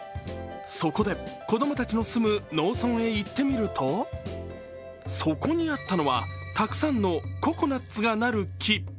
そこで子供たちの住む農村へ行ってみるとそこにあったのはたくさんのココナッツがなる木。